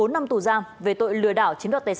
một mươi bốn năm tù giam về tội lừa đảo